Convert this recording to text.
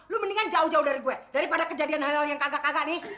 lu mendingan jauh jauh dari gue daripada kejadian hal hal yang kata kata nih